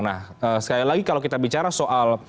nah sekali lagi kalau kita bicara soal